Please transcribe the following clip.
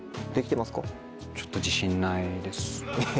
ちょっと自信ないです。